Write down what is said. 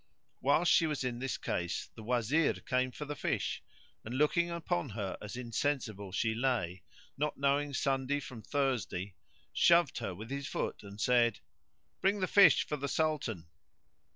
Whilst she was in this case the Wazir came for the fish and looking upon her as insensible she lay, not knowing Sunday from Thursday, shoved her with his foot and said, "Bring the fish for the Sultan!"